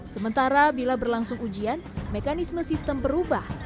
sementara bila berlangsung ujian mekanisme sistem berubah